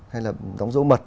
hay là đóng rỗ mật